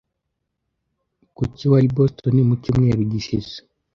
Kuki wari i Boston mu cyumweru gishize?